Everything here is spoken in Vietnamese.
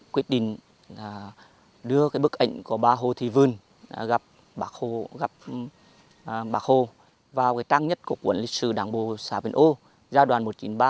quyết định đưa bức ảnh của bà hồ thị vân gặp bà hồ vào trang nhất của quận lịch sử đảng bộ xã vĩnh âu gia đoàn một nghìn chín trăm ba mươi hai nghìn hai mươi